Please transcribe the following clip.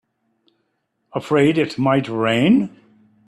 Afraid it might rain?